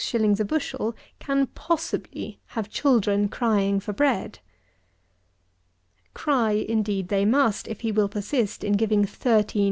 _ a bushel, can possibly have children crying for bread! 84. Cry, indeed, they must, if he will persist in giving 13_s.